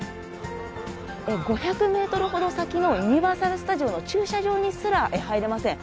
５００メートルほど先のユニバーサル・スタジオの駐車場にすら入れません。